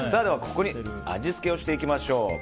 ここに味付けをしていきましょう。